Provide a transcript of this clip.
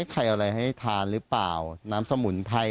ไข่อะไรให้ทานน้ำสมุนไพร